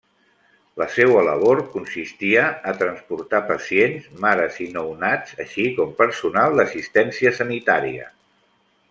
La seua labor consistia a transportar pacients, mares i nounats, així com personal d'assistència sanitària.